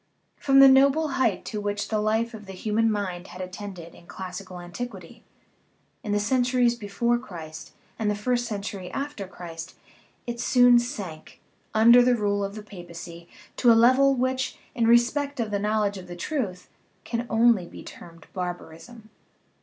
From the noble height to which the life of the human mind had attained in classical an tiquity, in the centuries before Christ and the first cen tury after Christ, it soon sank, under the rule of the papacy, to a level which, in respect of the knowledge of the truth, can only be termed barbarism.